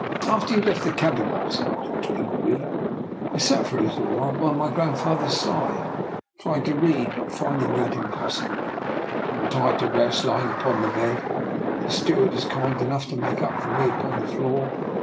After you left the cabin last night. Dr. Ingle by, I sat for a little while by my grandfather's side, trying to read; but finding that impos sible, I retired to rest, lying upon the bed the steward is kind enough to make up for me upon the floor.